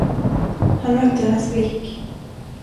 Han mötte hennes blick.